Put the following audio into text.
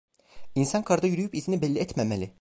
İnsan karda yürüyüp izini belli etmemeli…